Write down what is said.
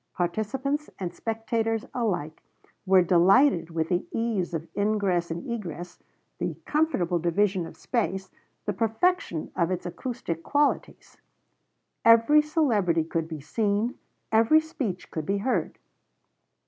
Participants and spectators alike were delighted with the ease of ingress and egress, the comfortable division of space, the perfection of its acoustic qualities. Every celebrity could be seen, every speech could be heard.